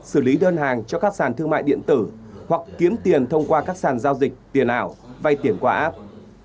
thử lý đơn hàng cho các sản thương mại điện tử hoặc kiếm tiền thông qua các sản giao dịch tiền ảo vay tiền qua app